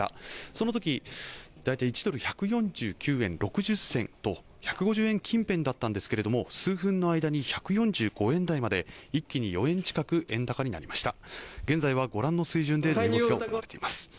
そのとき大体１ドル＝１４９円６０銭台と１５０円近辺だったんですけれども、数分の間に１４５円台まで一気４円近く円高になりました。